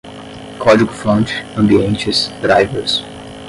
código-fonte, ambientes, drivers